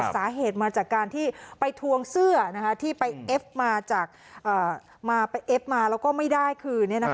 สาเหตุมาจากการที่ไปทวงเสื้อที่ไปเอฟมาแล้วก็ไม่ได้คืนนี้นะคะ